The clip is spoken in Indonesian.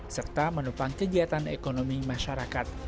serta menopang kegiatan ekonomi masyarakat